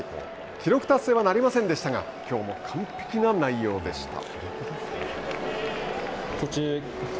記録達成はなりませんでしたがきょうも完璧な内容でした。